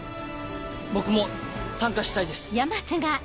僕も参加したいです。